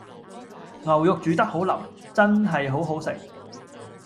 牛肉煮得好腍，真係好好食